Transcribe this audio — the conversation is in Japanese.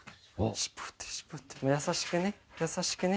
優しくね優しくね。